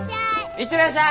行ってらっしゃい！